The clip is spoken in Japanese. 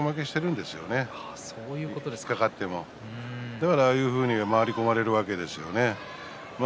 ですから、ああいうふうに回り込まれるわけですよね。